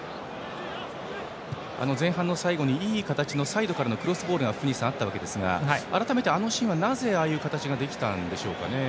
前半の最後にいい形のサイドからのクロスボールがあったわけですが改めて、あのシーンはなぜ、ああいう形ができたんでしょうかね。